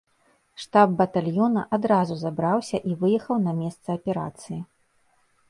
Штаб батальёна адразу забраўся і выехаў на месца аперацыі.